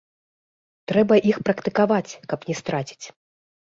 Трэба іх практыкаваць, каб не страціць.